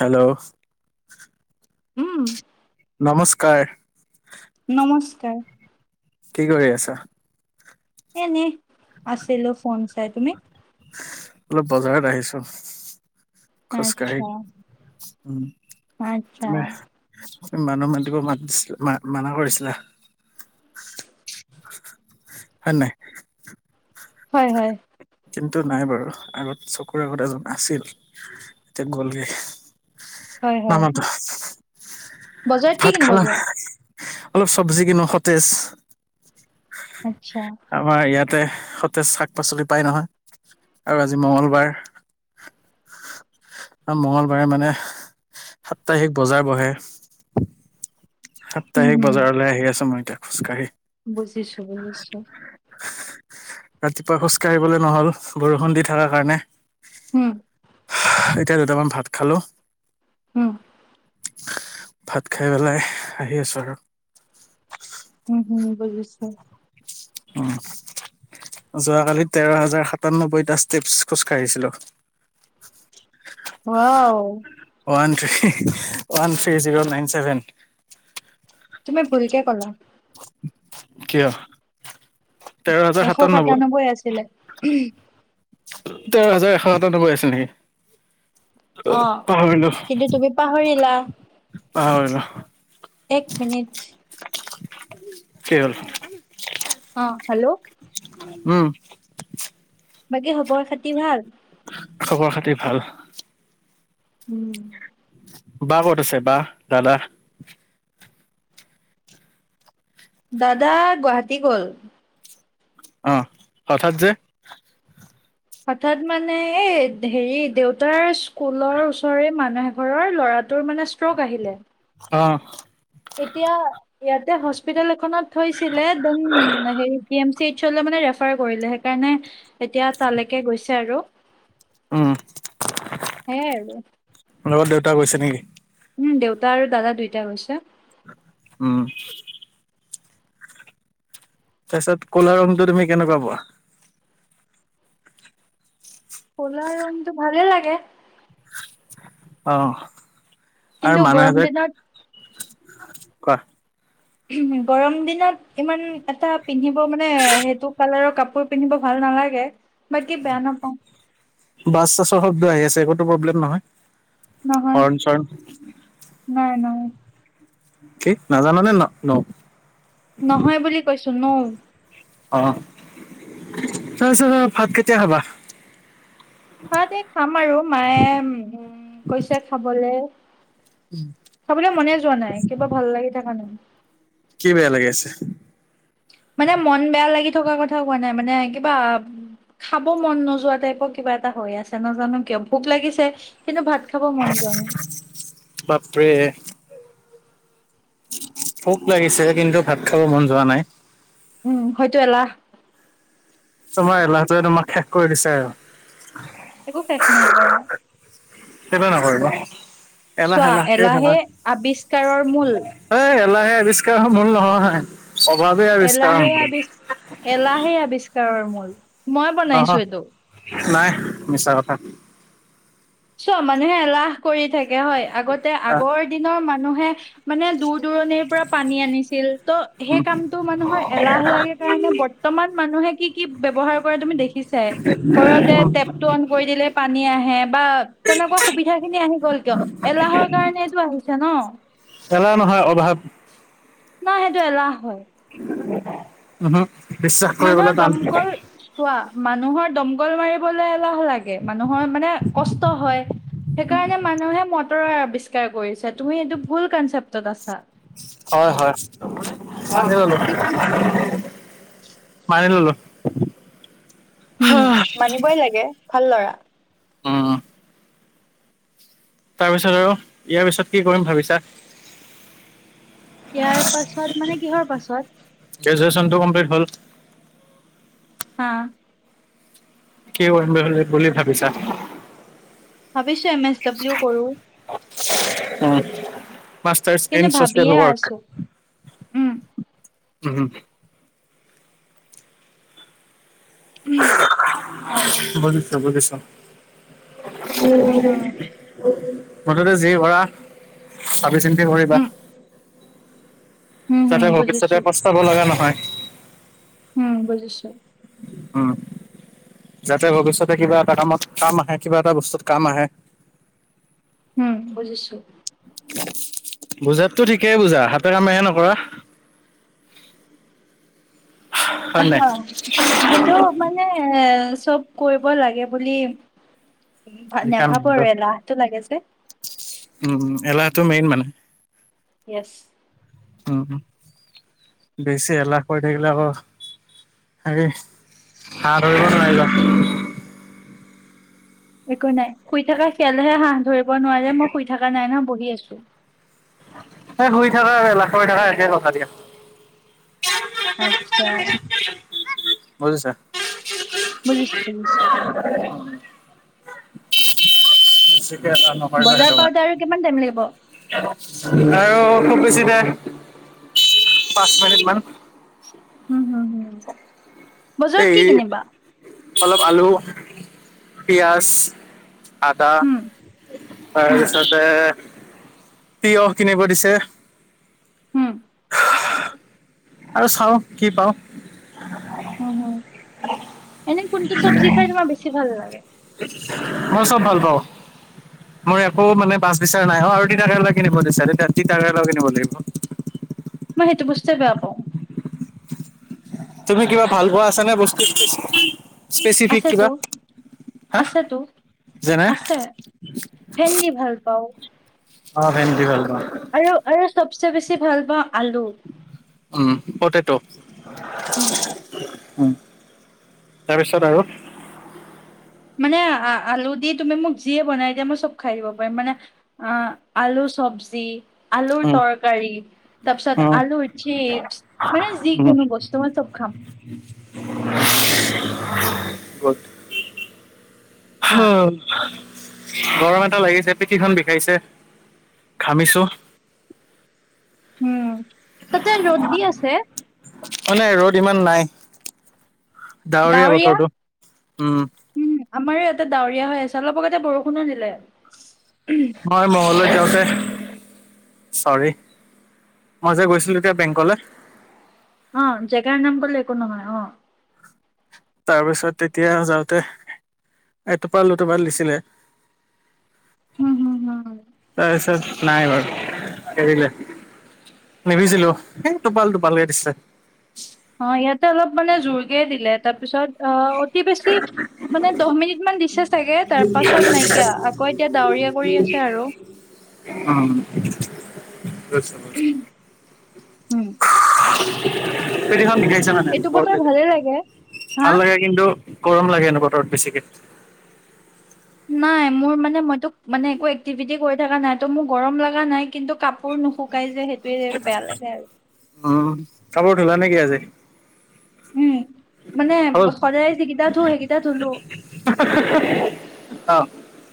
Hello, um, নমস্কাৰ। নমস্কাৰ। কি কৰি আছা? এ এনে আছিলো ফোন চাই তুমি? অলপ বজাৰত আহিছো। খোজকাঢ়ি আচ্ছা। উম আচ্ছা তুমি মানুহ মাতিব মাছিল মা মানা কৰিছিলা হয় নাই হয় হয় কিন্তু নাই বাৰু আগত চকুৰ আগত এজন আছিল এতিয়া গ'লগে হয় হয় নামাতো বজাৰত কি ভাত কিনিব খালা যোৱা অলপ চব্জি কিনো সতেজ হয় আমাৰ ইয়াত তে সতেজ শাক পাচলি পাই নহয় আৰু আজি মঙগলবাৰ আৰু মঙ্গলবাৰে মানে সাপ্তাহিক বজাৰ বহে হুম, সাপ্তাহিক হুম। বজাৰলৈ আহি আছো মই এতিয়া খোজকাঢ়ি বুজিছো, বুজিছো। ৰাতিপুৱা খোজ কাঢ়িবলে নহল বৰষুণ দি থকাৰ কাৰণে হোম এতিয়া দুটামান ভাত খালো হোম ভাত খাই পেলাই আহি আছো আৰু উম হুম বুজিছা উম যোৱাকালি তেৰ হাজাৰ সাতান্নবৈটা ষ্টেপছ খোজ কাঢ়িছিলো [unintelligible] one three - one three zero nine seven. তুমি ভুলকে ক'লা। কিয়? তেৰ হাজাৰ এশ সাতান্নব্বৈ সাতানব্বৈ আছিলে। তেৰ হাজাৰ এশ সাতানব্বৈ আছিল নেকি? অ, পাহৰিলো কিন্তু তুমি পাহৰিলা। পাহৰিলো এক মিনিট। [unintelligible] কি হ'ল? অ, হেল্ল', উম, বাকী খবৰ খাতি ভাল? খবৰ খাতি ভাল। উম, বা ক'ত আছে বা, দাদা? দাদা গুৱাহাটী গ'ল। অ, হঠাৎ যে? হঠাৎ মানে এই হেৰি দেউতাৰ স্কুলৰ ওচৰৰে মানুহ এঘৰৰ ল'ৰাটোৰ মানে ষ্ট্ৰক আহিলে অহ', এতিয়া ইয়াতে হস্পিতেল এখনত থৈছিলে দেন হেৰি জি এম ইচলে মানে ৰেফা ফাৰ কৰিলে সেইকাৰণে এতিয়া তালেকে গৈছে আৰু। উম, হে তা গৈছে নেকি? দেউতা আৰু দাদা দুইটাই গৈছে। উম। তাছত কলা ৰংটো তুমি কেনেকুৱা পোৱা? কলা ৰুংটো ভালেই লাগে। অহ। কিন্তু গৰম দিনত কোৱা? গৰম দিনত ইমান এটাব পিন্ধিব মানে সেইটো কালাৰৰ কাপ পোৰ পিন্ধিব ভাল নালাগে। বাকী বেয়া নাপাওঁ বাচ চাছৰ শব্দ আহি আছ একোটো প্ৰব্লেম নহয়। নহয় শৰণ চৰণ নাই নৌ। কি নাজানানে ন ন নহয় বুলি কৈছ ছো নও অহ তাৰপিছত ভাত কেতিয়া খাবা ভাত এই খাম আৰু মায়ে উম কৈছে খাবলে খাবলৈ মনে যোৱা নাই কিবা ভাল লাগি থকা নাই কি বেয়া লাগি আছে মানে মন বেয়া লাগি থকা কথা কোৱা নাই মানে কিবা খাব মন নোযোৱা টাইপৰ কিবা এটা হৈ আছে নাজানো কিয় ভোক লাগিছে কিন্তু ভাত খাব মন যোৱা নাই বাপৰে ভোক লাগিছে কিন্তু ভাত খাব মন যোৱা নাই উম হয়তো এলাহ তোমাৰ এলাহ টোৱে তোমাক শেষ কৰি দিছে আৰু একো শেষ নাই কৰা কেলে নকৰিব এলাহ চোৱা এলাহ কে থাকা এলাহে আৱিষ্কাৰৰ মূল এ এলাহে আৱিষ্কাৰ মূল নহয় অভাৱে আৱিষ্কাৰ এলাহে মূল আবিষ্ এলাহে আৱিষ্কাৰৰ মূল। [unintelligible] মই নহয় বনাইছো এইটো। নাই মিছা কথা। চোৱা মানুহে এলাহ কৰি থাকে হয়। আগতে আগৰ দিনৰ মানুহ মানুহে মানে দূৰ দূৰণিৰ পৰা পানী আনিছিল, ত' সেই কামটো মানুহৰ এলাহ লাগে কাৰণে বৰ্তমান মানুহে কি কি ব্যৱহাৰ কৰে তুমি দেখিছাই ঘৰতে টেপ টো অন কৰি দিলে পানী আহে বা তেনেকুৱা সুবিধা খিনি আহি গ'ল কিয় এলাহৰ কাৰনে টো আহিছে ন। এলাহ নহয় অভাৱ। নাই সেইটো এলাহ হয়। উমহোঁ। মানুহৰ দমকল চোৱা মানুহৰ দম দমকল মাৰিবলে লাহ লাগে মানুহৰ মানে কষ্ট হয়। সেইকাৰণে মানুহে ম ৰে আৱিষ্কাৰ কৰিছে তুমি এইটো ভুল কনচেপ্টত আছা। হয় হয়। মানিললো। উম মানিবই লাগে। ভাল লৰা। উম তাৰপিছত আৰু ইয়াৰ পিছত কি কৰিম ভাবিছা? ইয়াৰ পাছত মানে কিহৰ পাছত? গ্ৰেজুৱেচনটো কমপ্লিট হ'ল অ। কি বুলি ভাবিছা? ভাবিছো এম এছ ডাব্লিউ কৰোঁ। উম। মাষ্টাৰছ কিন্তু ইন ভাবিয়ে চ'চিয়েল ৱৰ্ক। আছো উম উম। উম। বুজিছো বুজিছো। উম। হম মুঠতে যি কৰা ভাবি চিন্তি কৰিবা। উম হম হম যাতে ভৱিষ্যতে বুজিছো পস্তাব লগা নহয়। উম বুজিছো। উ যাতে ভৱিষ্যতে কিবা এটা কামত কাম আহে, কিবা এটা বস্তুত কাম আহে। উম বুজিছো। বুজাতটো ঠিকেই বুজা হাতে কামে হে নকৰা। হয় সেইটো মানে এ চব কৰিব লাগে বুলি লিখা নাভাবো মেলিটো। আৰু এলাহটো লাগে যে। এইটো মেইন মানে। ইয়েছ। উ বেছি এলাহ কৰি থাকিলে আকৌ হেৰি, হাঁহ ধৰিব নোৱাৰিবা। একো নাই, শুই থকা খিয়ালহে হাঁহ ধৰিব নোৱাৰে, মই শুই থকা নাই নহ বহি আছো। এ শুই থাকা আৰু এলাহ কৰি থাকা একে কথা দিয়া। আচ্ছা। বুজিছা [inaudible] বুজিছো বুজিছো। বেছিকে এলাও নকৰে যে বজাৰ সেইটো কাৰণে। পাওঁতে আৰু কিমান টাইম লাগিব? আৰু খুব বেছি দে পাঁচ মিনিট মান। উম হম হম। বজাৰত এই কি কিনিবা? অলপ আলু, পিয়াজ আদা, হম হম তাৰপিছতে তিয়হ কিনিব দিছে। উম। আৰু চাওঁ কি পাওঁ? উম, হ'ম এনেই কোনটো চব্জি খাই তোমাৰ বেছি ভাল লাগে? মই চ'ব ভাল পাওঁ। মোৰ একো মানে বাছ বিচাৰ নাই অ' আৰু তিতাকেৰেলা কিনিব দিছে। এতিয়া তিতাকেৰেলাও কিনিব লাগিব। মই সেইটো বস্তে বেয়া পাওঁ। তুমি কিবা ভাল পোৱা আছে নে বস্তু? স্পেচিফিক কিবা আছেতো হা আছেতো যেনে আছে ভেন্দি ভাল পাওঁ অ' ভেন্দি ভাল পাওঁ। আৰু আৰু চবচে ভাল পাওঁ। আলু উম, পতেতৌ উম। উম, তাৰপিছত আৰু মানে আ আলু দি তুমি মোক যিয়ে বনাই দিয়া মই চ'ব খাই দিব পাৰিম মানে আ আলু চব্জি আলুৰ উম, তৰকাৰী, তাৰপিছত উম, আলুৰ চিপছ মানে যিকোনো বস্তু মই চ'ব খাম। গত হা, হঅ গৰম এটা লাগিছে পিঠিখন বিষাইছে ঘামিছো। হুম। তাতে ৰ'দ দি আছে? অ নাই ৰ'দ ইমান নাই। ডাৱৰীয়া ডাৱৰীয়া বতৰটো, উম। উম আমাৰো ইয়াতে ডাৱৰীয়া হৈ আছে অলপ আগতে বৰষুণো দিলে। মই মংগল দৈ যাওঁতে চৰি মই যে গৈছিলো তেতিয়া বেংকলে। অ জেগাৰ নাম কলো একো নহয় অ। তাৰপিছত তেতিয়া যাওঁতে এ টোপাল দুটোপাল দিছিলে। হম হম হম তাৰপিছত। নাই বাৰু এৰিলে নিভিজিলো এ টোপাল টোপালকে দিছে। অ ইয়াতে অলপ মানে জোৰকে দিলে তাৰপিছত অ অতি বেছি মানে দহ মিনিট মান দিছে চাগে তাৰ পাছত নাইকিয়া আকৌ এতিয়া ডাৱৰীয়া কৰি আছে আৰু। শুইছো শুইছো উম [unintelligible] শিকাইছে নে এইটো প বতৰ ভালে লাগে। হা ভাল লাগে কিন্তু গৰম লাগেনে বতৰত বেছিকে। নাই মোৰ মানে মই তোক মানে একো এক্টিভিটি কৰি থকা নাই ত' মোৰ গৰম লগা নাই কিন্তু কাপোৰ নুশুকাই যে হেইট বেয়া লাগে আৰু উম কাপোৰ ধোলা নিকি আজি। উম মানে হ'ল? সদায় যিকেইটা ধো সেইকেইটা ধুলো। অহ।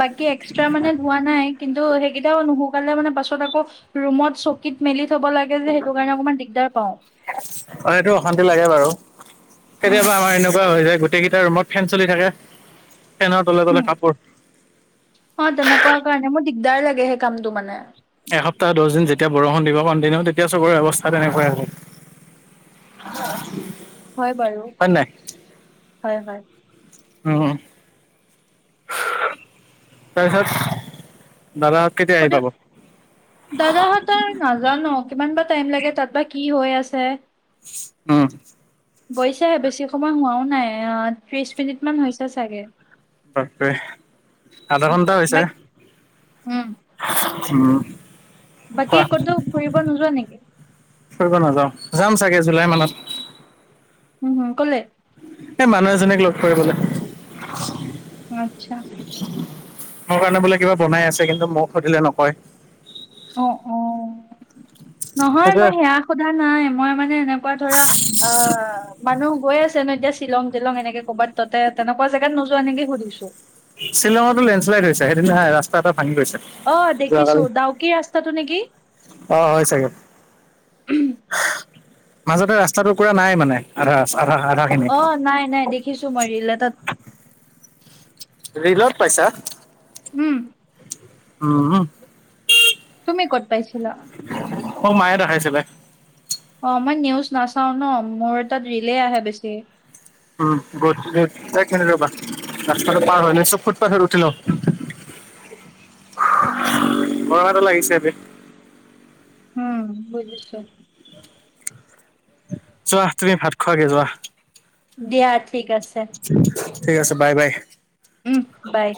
বাকী এক্সট্ৰা মানে ধোৱা নাই কিন্তু সেইকেইটাও নুশুকালে মানে পাছত আকৌ ৰুমত চকীত মেলি থব লাগে যে সেইটো কাৰণে অকমান দিগদাৰ পাও অ সেইটো অশান্তি লাগে বাৰু উম কেতিয়াবা আমাৰ এনেকুৱা হৈ যায় গোটেইকেইটা ৰুমত ফেন চলি থাকে। ফেনৰ তলে তলে উম কাপোৰ দাৰ লাগে সেই কামটো মানে এসপ্তাহ দহ দিন যেতিয়া বৰষুণ দিব কন্টিনিউ তেতিয়া চবৰে ব্যৱস্থা তেনেকুৱাই হব। হয় বাৰু হয় হয় হয়। অ তাৰপিছত? দাদাহঁত কেতিয়া আহি হেটো পাব দাদাহঁতৰ নাজানো কিমান বা টাইম লাগে তাত বা কি হৈ আছে? উম। গৈছেহে বেছি সময় হোৱাও নাই, অহ ত্ৰিশ মিনিট মান হৈছে চাগে। তাকে, আধা ঘন্টা হৈছে? বাক উম। উম। বাকী কোৱা ক'তো ফুৰিব নোযোৱা নিকি? ফুৰিব নাযাওঁ, যাম চাগে জুলাই মানত। উমহুম ক'লে? এই মানুহ এজনীক লগ কৰিবলে। আচ্ছা। মোৰ কাৰণে বোলে কিবা বনাই আছে কিন্তু মোক সুধিলে নকয়। অঁ, অঁ, নহয় সেইটোৱে মই সেয়া সোধা নাই, মই মানে এনেকুৱা ধৰা অ মানুহ হৈ আছে ন এতিয়া শ্বিলং টিলং এনেকে ক'ৰবাত ততে তেনেকুৱা জেগাত নোযোৱা এনেকে সুধিছো। শ্বিলঙতো লেণ্ডশ্লাইড হৈছে সেইদিনা সেই ৰাস্তা এটা ভাঙি গৈছে অঁ দেখিছো, যোৱাকালি ডাউকি ৰাস্তাটো নেকি? অ হয় চাগে মাজতে ৰাস্তাটুকুৰা নাই মানে আধা ৰা অঁ নাই নাই দেখিছো মই ৰীল এটাত। ৰীলত পাইছা? উম। উম। তুমি ক'ত পাইছিলা অঁ, মায়ে দেখাইছিলে। অঁ মই নিউজ নাচাওঁ ন, মোৰ তাত ৰীলে আহে বেছি। উম, গুড গুড, এক মিনিট ৰ'বা ৰাস্তাটো পাৰ হয় লৈছোঁ, ফুটপাথত উঠি লওঁ। গৰম এটা লাগিছে বে। উম বুজিছোঁ। যোৱা, তুমি ভাত খোৱাগে যোৱা। দিয়া ঠিক আছে। ঠিক আছে বাই বাই। উম, বাই।